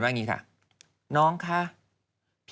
วันที่สุดท้าย